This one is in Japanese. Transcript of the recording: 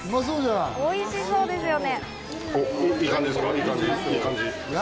おいしそうですよね。